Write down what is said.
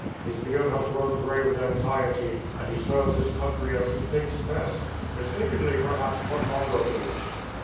His beard has grown gray with anxiety, and he serves his country as he thinks best. Mistakenly, perhaps, but honor ably."